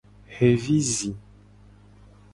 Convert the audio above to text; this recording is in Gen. Xevi zi.